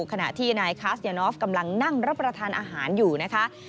ขณะที่นายคาสยานอฟกำลังนั่งรับประทานอาหารอยู่นะคะ